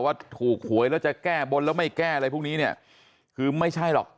ว่าถูกหวยแล้วจะแก้บนแล้วไม่แก้อะไรพวกนี้เนี่ยคือไม่ใช่หรอก